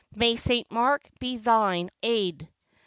May St. Mark be thine aid!"